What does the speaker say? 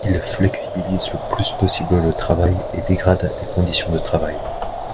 Il flexibilise le plus possible le travail et dégrade les conditions de travail.